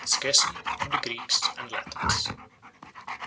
Schism Of The Greeks And Latins.